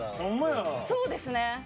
そうですね。